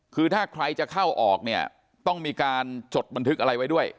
คือถ้าใครจะเข้าออกเนี่ยต้องมีการจดบันทึกอะไรไว้ด้วย